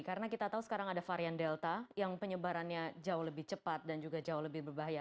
karena kita tahu sekarang ada varian delta yang penyebarannya jauh lebih cepat dan juga jauh lebih berbahaya